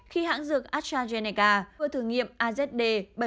khi hãng dược astrazeneca vừa thử nghiệm azd bảy nghìn bốn trăm bốn mươi hai ba